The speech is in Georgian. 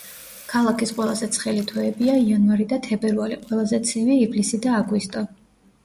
ქალაქის ყველაზე ცხელი თვეებია იანვარი და თებერვალი, ყველაზე ცივი ივლისი და აგვისტო.